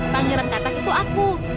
pangeran katak itu aku